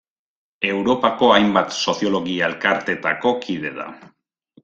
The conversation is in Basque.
Europako hainbat soziologia-elkartetako kide da.